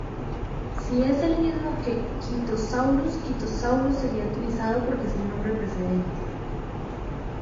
Si es el mismo que "Kritosaurus", "Kritosaurus" sería utilizado porque es el nombre precedente.